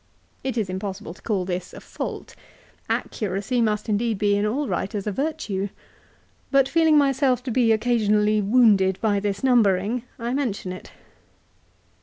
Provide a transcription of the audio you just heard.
It is impossible to call this a fault. Accuracy must indeed be in all writers a virtue. But feeling myself to be occasionally wounded by this numbering, I mention it.